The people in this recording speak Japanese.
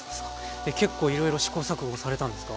結構いろいろ試行錯誤されたんですか？